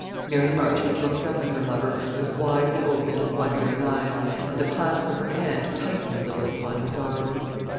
Mary Marchmont looked up at her lover with widely opened and wondering eyes, and the clasp of her hand tightened a little upon his arm.